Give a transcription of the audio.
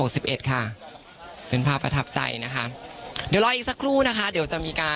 สัมภาษณ์แล้ว